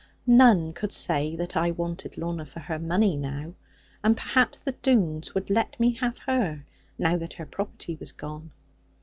None could say that I wanted Lorna for her money now. And perhaps the Doones would let me have her; now that her property was gone.